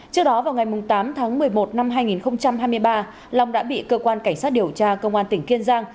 trước đó vào ngày tám tháng một mươi một năm hai nghìn hai mươi ba long đã bị cơ quan cảnh sát điều tra công an tỉnh kiên giang